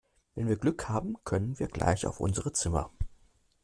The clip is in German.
Wenn wir Glück haben können wir gleich auf unsere Zimmer.